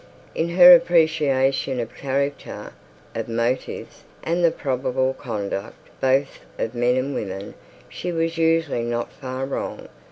In her appreciation of character, of motives, and the probable conduct both of men and women, she was usually not far wrong.